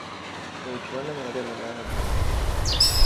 Byl členem Rady Levého bloku.